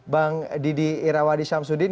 bang didi irawadi syamsuddin